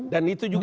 dan itu juga